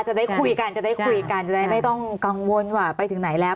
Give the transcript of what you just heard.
จะได้คุยกันจะได้ไม่ต้องกังวลว่าไปถึงไหนแล้ว